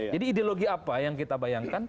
jadi ideologi apa yang kita bayangkan